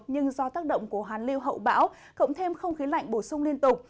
nhưng do tác động của hàn lưu hậu bão cộng thêm không khí lạnh bổ sung liên tục